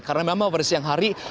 karena memang pada siang hari